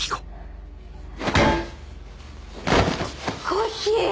コッヒー！